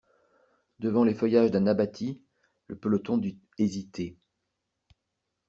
Devant les feuillages d'un abatis, le peloton dut hésiter.